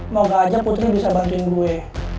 semoga aja putri bisa bantuin gue